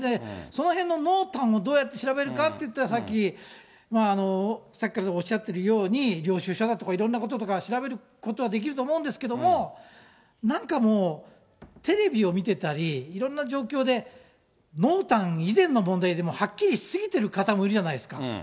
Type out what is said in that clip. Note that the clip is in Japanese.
そのへんの濃淡をどうやって調べるかっていったら、さっき、さっきからおっしゃってるように、領収書だとかいろんなことだとか調べることはできると思うんですけども、なんかもう、テレビを見てたり、いろんな状況で、濃淡以前の問題でもうはっきりし過ぎてる方もいるじゃないですか。